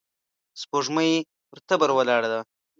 سپوږمۍ پر تبر ولاړه وه.